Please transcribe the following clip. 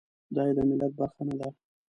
دای د ملت برخه نه ده.